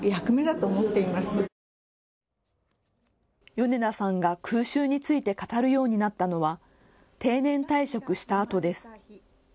米田さんが空襲について語るようになったのは定年退職したあとです。